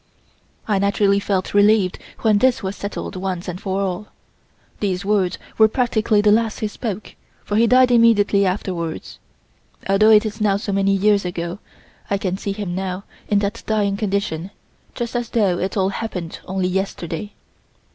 I naturally felt relieved when this was settled once and for all. These words were practically the last he spoke, for he died immediately afterwards. Although it is now so many years ago, I can see him now in that dying condition, just as though it all happened only yesterday.